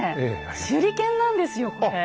手裏剣なんですよこれ。